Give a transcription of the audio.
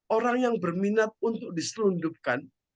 orang yang berminat untuk diselundupkan